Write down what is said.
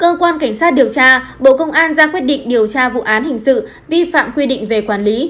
cơ quan cảnh sát điều tra bộ công an ra quyết định điều tra vụ án hình sự vi phạm quy định về quản lý